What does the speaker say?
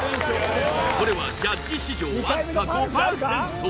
これはジャッジ史上わずか５％